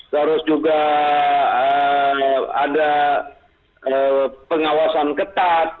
terus juga ada pengawasan ketat